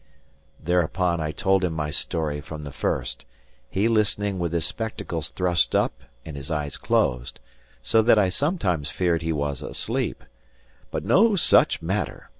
Thereupon I told him my story from the first, he listening with his spectacles thrust up and his eyes closed, so that I sometimes feared he was asleep. But no such matter!